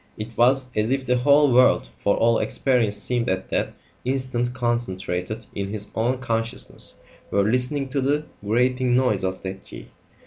It was as if the whole world for all experience seemed at that instant concentrated in his own consciousness were listening to the grating noise of that key.